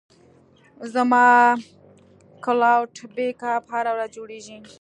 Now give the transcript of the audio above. زما کلاوډ بیک اپ هره ورځ جوړېږي.